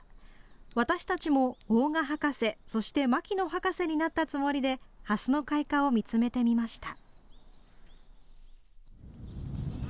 私たちも大賀博士、そして牧野博士になったつもりでハスの開花を見つめてみました。